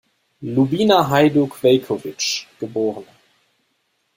Lubina Hajduk-Veljković, geb.